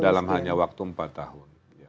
dalam hanya waktu empat tahun